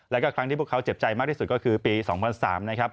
แล้วก็ครั้งที่พวกเขาเจ็บใจมากที่สุดก็คือปี๒๐๐๓นะครับ